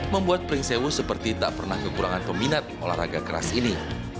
membuat pring sewu seperti tak pernah kekurangan peminat olahraga keras ini